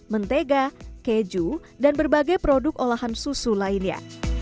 mentega keju dan berbagai produk olahan susu lainnya